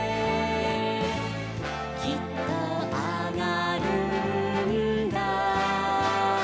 「きっとあがるんだ」